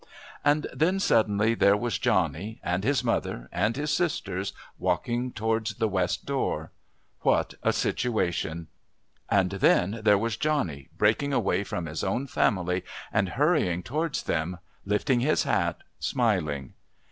And then suddenly there were Johnny and his mother and his sisters walking towards the West door! What a situation! And then there was Johnny breaking away from his own family and hurrying towards them, lifting his hat, smiling!